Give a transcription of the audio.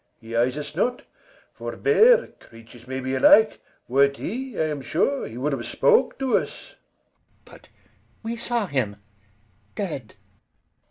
He eyes us not; forbear. Creatures may be alike; were't he, I am sure He would have spoke to us. GUIDERIUS. But we saw him dead.